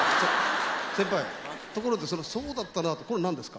先輩ところでその「そうだったな！」ってこれ何ですか？